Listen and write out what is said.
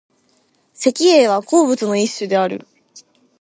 石英は鉱物の一種である。